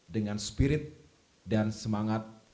dengan spirit dan semangat